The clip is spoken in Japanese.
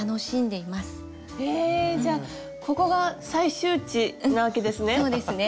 えじゃあここが最終地なわけですね。